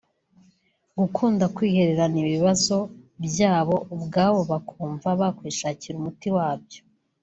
Gukunda kwihererana ibibazo byabo ubwabo bakumva bakwishakira umuti wabyo